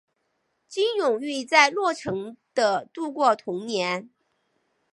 金永玉在洛城的度过童年。